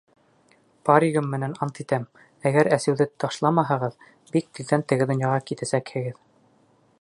Паригым менән ант итәм: әгәр әсеүҙе ташламаһағыҙ, бик тиҙҙән теге донъяға китәсәкһегеҙ.